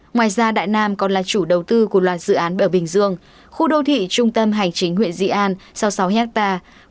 ngoài ra đại nam còn là chủ đầu tư của loạt dự án ở bình dương khu đô thị trung tâm hành chính huyện di an sau sáu hectare